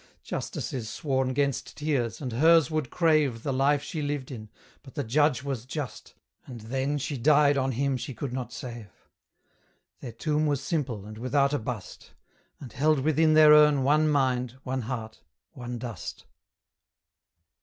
Justice is sworn 'gainst tears, and hers would crave The life she lived in; but the judge was just, And then she died on him she could not save. Their tomb was simple, and without a bust, And held within their urn one mind, one heart, one dust.